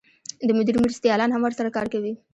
د مدیر مرستیالان هم ورسره کار کوي.